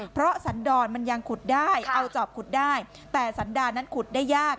เพราะสันดรมันยังขุดได้เอาจอบขุดได้แต่สันดานั้นขุดได้ยาก